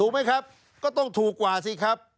ไหมครับก็ต้องถูกกว่าสิครับ